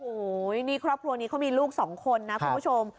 โอ้โหนี่ครอบครัวนี้เขามีลูกสองคนนะคุณผู้ชม